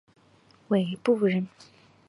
韦陟人。